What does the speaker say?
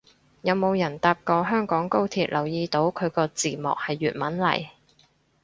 有冇人搭過香港高鐵留意到佢個字幕係粵文嚟